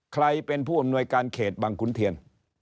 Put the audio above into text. ใครเป็นผู้อำนวยการเขตบังขุนเทียน